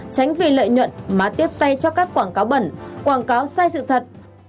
tránh vì lợi nhuận mà tiếp tay cho các quảng cáo bẩn quảng cáo sai sự thật